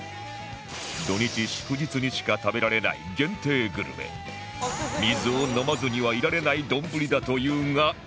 土日祝日にしか食べられない限定グルメ水を飲まずにはいられない丼だというが一体？